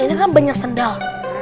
ini kan banyak sendal